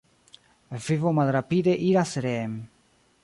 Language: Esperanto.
Vivo malrapide iras reen.